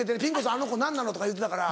「あの子何なの」とか言うてたから。